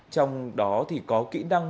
trong đó thì có kỹ năng